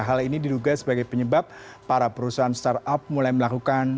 hal ini diduga sebagai penyebab para perusahaan startup mulai melakukan